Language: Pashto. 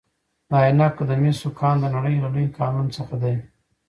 د عینک د مسو کان د نړۍ له لویو کانونو څخه دی.